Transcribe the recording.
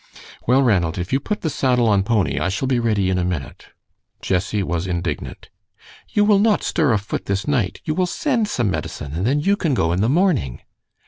"Well, Ranald, if you put the saddle on Pony, I shall be ready in a minute." Jessie was indignant. "You will not stir a foot this night. You will send some medicine, and then you can go in the morning."